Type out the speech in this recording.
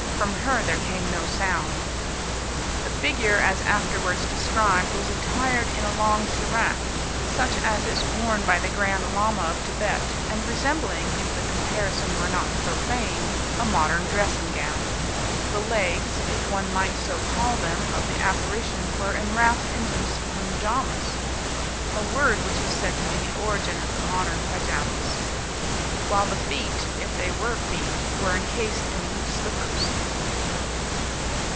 From her there came no sound. The figure as afterwards described was attired in a long shirak, such as is worn by the Grand Llama of Tibet, and resembling, if the comparison were not profane, a modern dressing gown. The legs, if one might so call them, of the apparition were enwrapped in loose punjahamas, a word which is said to be the origin of the modern pyjamas; while the feet, if they were feet, were encased in loose slippers.